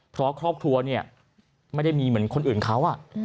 เพราะครอบครัวเนี่ยไม่ได้มีเหมือนคนอื่นเขา